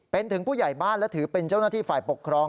เป็นถึงผู้ใหญ่บ้านและถือเป็นเจ้าหน้าที่ฝ่ายปกครอง